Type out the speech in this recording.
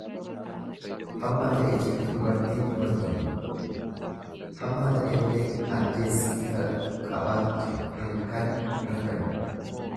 Hamma fe'e cimtu dubartiin dubartuma, hamma ta'ellee addeessi ifa qabaattu halkan halkanuma.